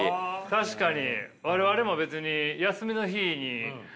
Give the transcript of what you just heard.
確かに。